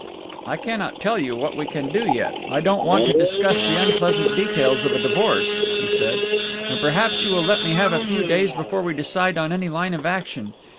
"I cannot tell you what we can do yet. I don't want to discuss the unpleasant details of a divorce," he said, "and perhaps you will let me have a few days before we decide on any line of action.